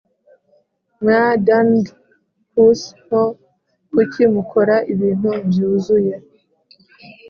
mwa darned cuss nto, kuki mukora ibintu byuzuye?